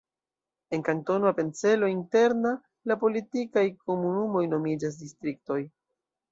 En Kantono Apencelo Interna la politikaj komunumoj nomiĝas distriktoj.